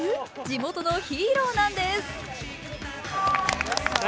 地元のヒーローなんです。